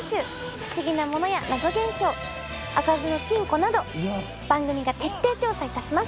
不思議なものや謎現象開かずの金庫など番組が徹底調査いたします。